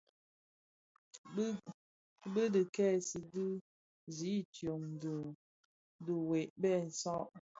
Bi dhi kèsi di zidyōm di dhiňwê bè saad.